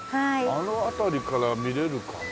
あの辺りから見れるかな？